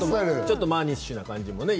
ちょっとマニッシュな感じ。